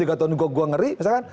tiga tahun juga saya ngeri misalkan